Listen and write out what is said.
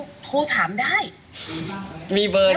ก็โทรมาถามได้หรือไม่ต้องถามพี่ก็ได้